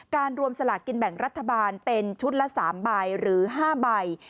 รวมสลากกินแบ่งรัฐบาลเป็นชุดละ๓ใบหรือ๕ใบ